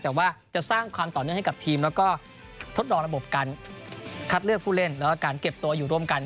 แต่ว่าจะสร้างความต่อเนื่องให้กับทีมแล้วก็ทดลองระบบการคัดเลือกผู้เล่นแล้วก็การเก็บตัวอยู่ร่วมกัน